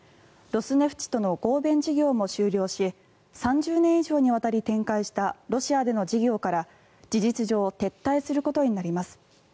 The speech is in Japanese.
ロスネフチとの合弁事業も終了し３０年以上にわたり展開したロシアでの事業から事実上撤退することになります。